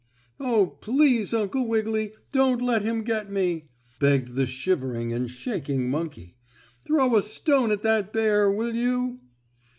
"Oh, please Uncle Wiggily, don't let him get me!" begged the shivering and shaking monkey. "Throw a stone at that bear, will you?"